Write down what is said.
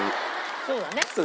そうだね。